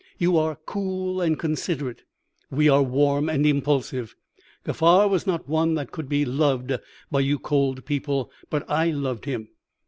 You are cool and considerate; we are warm and impulsive. Kaffar was not one that could be loved by you cold people; but I loved him.